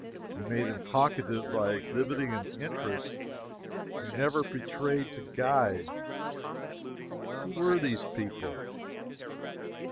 We made him talkative by exhibiting an interest we never betrayed to guides. "Who were these people?"